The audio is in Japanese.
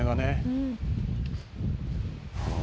「うん」